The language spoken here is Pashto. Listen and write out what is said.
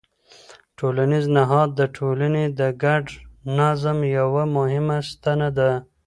ټولنیز نهاد د ټولنې د ګډ نظم یوه مهمه ستنه ده.